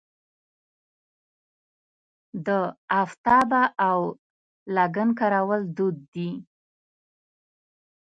د افتابه او لګن کارول دود دی.